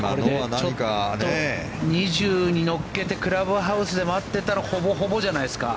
２０に乗っけてクラブハウスで待っていたらほぼほぼじゃないですか？